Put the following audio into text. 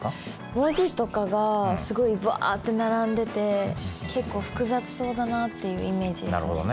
文字とかがすごいバーって並んでて結構複雑そうだなっていうイメージですね。